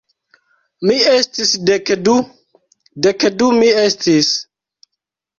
Mi estis dek du... dek du mi estis